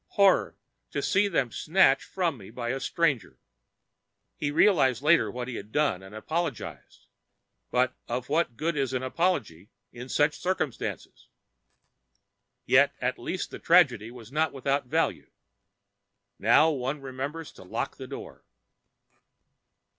Horror! to see them snatched from me by a stranger. He realized later what he had done and apologized, but of what good is an apology in such circumstances? Yet at least the tragedy was not without its value. Now one remembers to lock the door.